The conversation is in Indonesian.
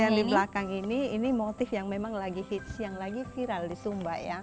kalau yang di belakang ini ini motif yang memang lagi hits yang lagi viral di sumba ya